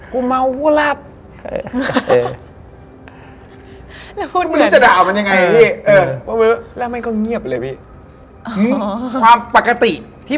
กูกูว่าวันนี้ไม่ปกติ